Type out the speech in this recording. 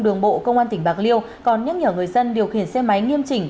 đường bộ công an tỉnh bạc liêu còn nhắc nhở người dân điều khiển xe máy nghiêm chỉnh